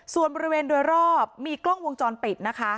ส่วนบริเวณโดยรอบมีกล้องวงจรปิดนะคะ